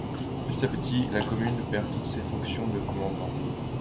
Petit à petit la commune perd toutes ses fonctions de commandements.